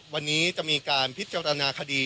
วันนี้จะมีการพิจารณาคดี